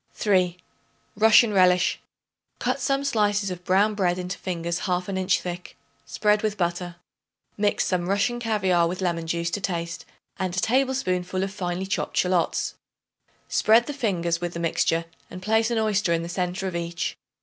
3. Russian Relish. Cut some slices of brown bread into fingers half an inch thick; spread with butter. Mix some Russian caviare with lemon juice to taste and a tablespoonful of finely chopped shallots. Spread the fingers with the mixture and place an oyster in the centre of each.